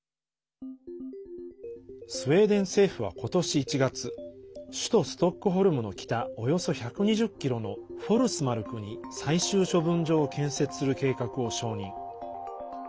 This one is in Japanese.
スウェーデン政府は今年１月首都ストックホルムの北およそ１２０ｋｍのフォルスマルクに最終処分場を建設する計画を承認。